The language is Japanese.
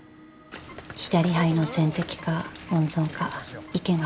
左肺の全摘か温存か意見が分かれた。